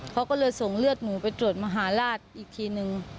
เขาก็เลยส่งเลือดหมูไปตรวจมหาราชอีกทีนึง